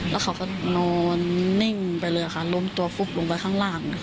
แล้วเขาก็นอนนิ่งไปเลยลงตัวลงไปข้างล่าง